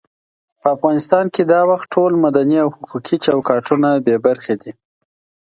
په افغانستان کې دا وخت ټول مدني او حقوقي چوکاټونه بې برخې دي.